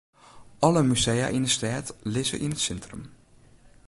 Alle musea yn 'e stêd lizze yn it sintrum.